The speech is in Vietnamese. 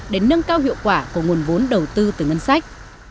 để nâng cao hiệu quả của nguồn vốn đầu tư từ ngân sách